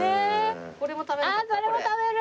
これも食べる？